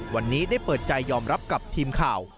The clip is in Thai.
วันนี้ได้เปิดใจยอมรับกับทีมข่าว